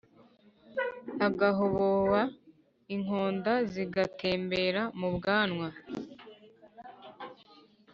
agahoboba inkonda zigatembera mu bwanwa.